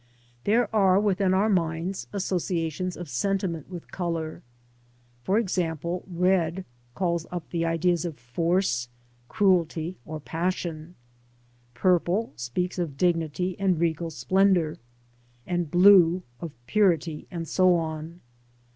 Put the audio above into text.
There are within our minds associations of sentiment with colour. For example, red calls up the ideas of force, cruelty, or passion; purple speaks of dignity and regal splendour, and blue of purity, and so on.